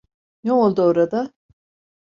Ne oldu orada?